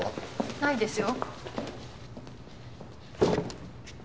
ないですよ。